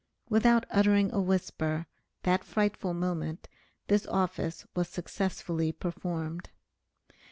Without uttering a whisper, that frightful moment, this office was successfully performed.